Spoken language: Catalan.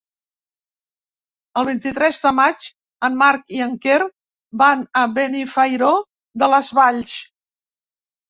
El vint-i-tres de maig en Marc i en Quer van a Benifairó de les Valls.